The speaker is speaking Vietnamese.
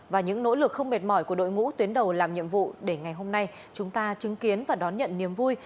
và những nỗ lực không mệt mỏi của đội ngũ tuyến đầu làm nhiệm vụ để ngày hôm nay chúng ta chứng kiến và đón nhận niềm vui